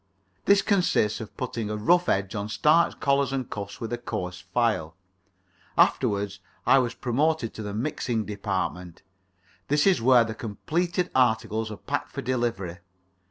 This consists in putting a rough edge on starched collars and cuffs with a coarse file. Afterwards I was promoted to the mixing department. This is where the completed articles are packed for delivery.